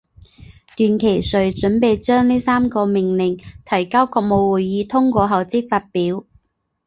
段祺瑞准备将这三个命令提交国务会议通过后即发表。